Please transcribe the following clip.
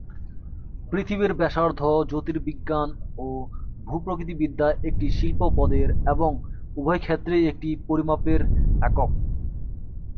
পৃথিবীর ব্যাসার্ধ জ্যোতির্বিজ্ঞান ও ভূপ্রকৃতিবিদ্যায় একটি শিল্প-পদের এবং উভয়ক্ষেত্রেই একটি পরিমাপের একক।